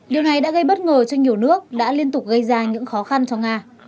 điều này đã gây bất ngờ cho nhiều nước đã liên tục gây ra những khó khăn cho nga